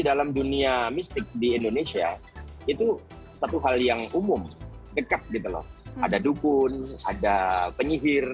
dalam dunia mistik di indonesia itu satu hal yang umum dekat gitu loh ada dukun ada penyihir